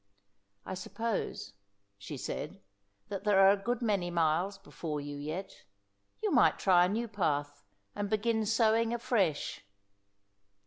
"I suppose," she said, "that there are a good many miles before you yet. You might try a new path and begin sowing afresh."